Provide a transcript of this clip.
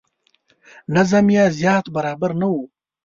نظم یې زیات برابر نه و.